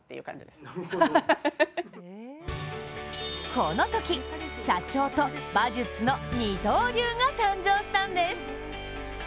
このとき、社長と馬術の二刀流が誕生したんです。